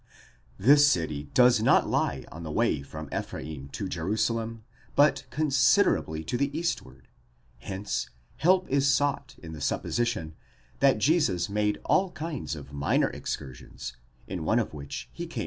This city does not lie on the way from Ephraim to Jerusalem, but consider ably to the eastward ; hence help is sought in the supposition that Jesus made all kinds of minor excursions, in one of which he came.